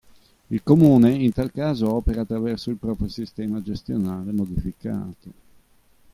Il Comune in tal caso opera attraverso il proprio sistema gestionale modificato.